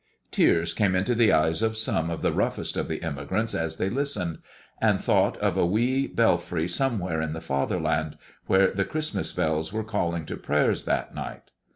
Tears came into the eyes of some of the roughest of the immigrants as they listened, and thought of a wee belfry somewhere in the Fatherland, where the Christmas bells were calling to prayers that night.